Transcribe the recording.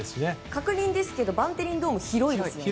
確認ですがバンテリンドームは広いですよね。